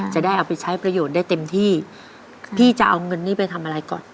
จะได้เอาไปใช้ประโยชน์ได้เต็มที่พี่จะเอาเงินนี้ไปทำอะไรก่อน